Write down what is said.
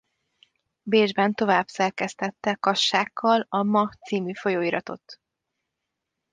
Bécsben tovább szerkesztette Kassákkal a Ma c. folyóiratot.